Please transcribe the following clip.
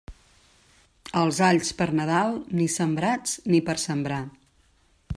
Els alls per Nadal, ni sembrats ni per sembrar.